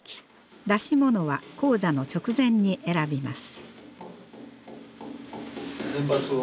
出し物は高座の直前に選びます。